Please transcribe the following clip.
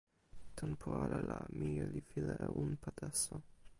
tenpo ale la mije li wile e unpa taso.